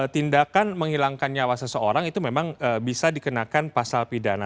tindakan menghilangkan nyawa seseorang itu memang bisa dikenakan pasal pidana